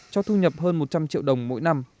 cho thu nhập hơn một trăm linh triệu đồng mỗi năm